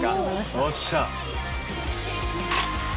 よっしゃ！